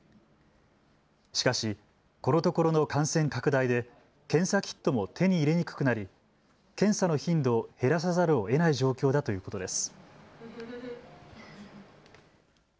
しかし、このところの感染拡大で検査キットも手に入れにくくなり検査の頻度を減らさざるをえない状況だということです。